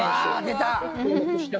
出た！